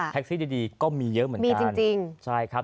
แท็กซี่ดีก็มีเยอะเหมือนกันมีจริง